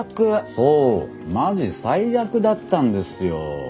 そうマジ最悪だったんですよ。